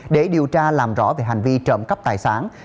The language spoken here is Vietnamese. để điều tra làm rõ về hành vi trộm cắp tài sản